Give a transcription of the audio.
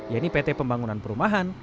yaitu pt pembangunan perumahan